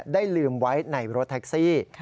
ได้ลืมไว้ในรถแท็กซี่